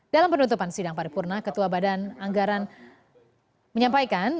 dalam penutupan sidang paripurna ketua badan anggaran menyampaikan